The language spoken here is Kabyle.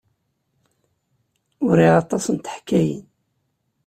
Uriɣ aṭas n teḥkayin.